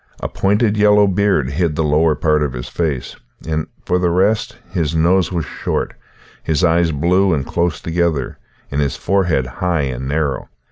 A pointed yellow beard hid the lower part of his face, and, for the rest, his nose was short, his eyes blue and close together, and his forehead high and narrow.